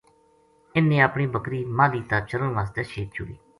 اِنھ نے اپنی بکری ماہلی تا چرن واسطے شیک چھُڑی